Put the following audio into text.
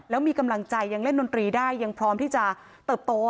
แล้วมีกำลังใจยังเล่นดนตรีได้ยังพร้อมที่จะเติบโต